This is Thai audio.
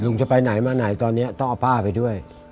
ลุงจะไปไหนที่ไหนตอนนี้ต้องเอาป่าไปด้วย